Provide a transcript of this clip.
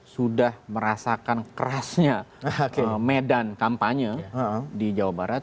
sudah merasakan kerasnya medan kampanye di jawa barat